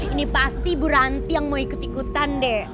ini pasti bu ranti yang mau ikut ikutan deh